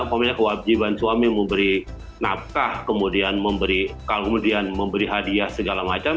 apa namanya kewajiban suami memberi nafkah kemudian memberi hadiah segala macam